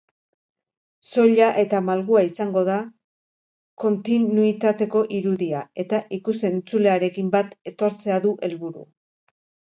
Soila eta malgua izango da kontinuitateko irudia eta ikus-entzulearekin bat etortzea du helburu.